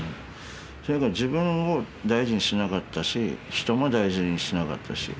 とにかく自分を大事にしなかったし人も大事にしなかったし。